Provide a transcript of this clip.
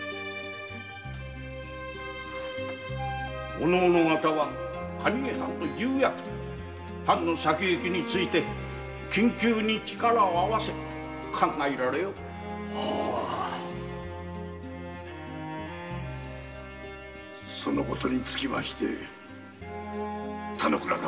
おのおの方は藩の重役藩の先行きについて緊急に力を合わせ考えられよ（一同その事につきまして。